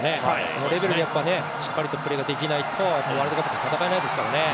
このレベルでしっかりとプレーができないとワールドカップでは戦えないですからね。